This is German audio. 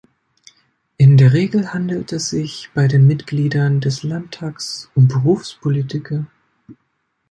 In der Regel handelt es sich bei den Mitgliedern des Landtags um Berufspolitiker.